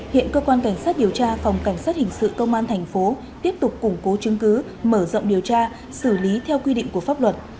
hiện cơ quan cảnh sát điều tra phòng cảnh sát hình sự công an thành phố tiếp tục củng cố chứng cứ mở rộng điều tra xử lý theo quy định của pháp luật